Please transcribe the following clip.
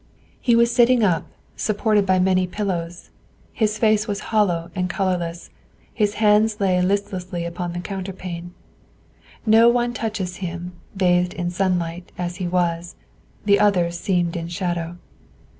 He was sitting up, supported by many pillows; his face was hollow and colorless; his hands lay listlessly upon the counterpane. No one touches him; bathed in sunlight, as he was, the others seemed in shadow.